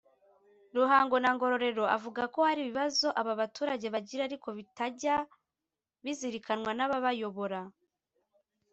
Ruhango na Ngororero avuga ko hari ibibazo aba baturage bagira ariko bitajya bizirikanwa n’ababayobora